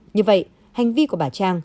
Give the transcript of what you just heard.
như vậy hành vi của bà trang